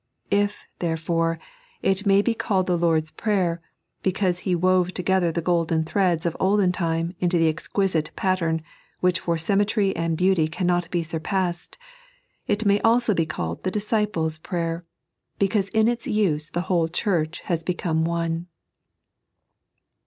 If, therefore, it may be called the Lord's Prayer, because He wove together the golden threads of olden time into the exquisite pattern which for symmetry and beauty cannot be surpassed, it may also be called the Disciples' Prayer, because in its use the whole Church has become one.